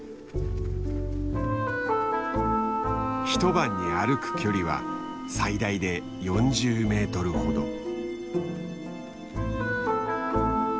一晩に歩く距離は最大で４０メートルほど。